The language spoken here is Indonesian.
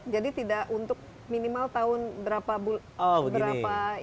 jadi tidak untuk minimal tahun berapa ini